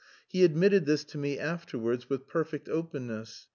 He admitted this to me afterwards with perfect openness.